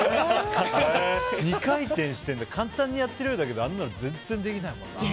２回転してって簡単にやってるようだけどあんなの全然できないもんな。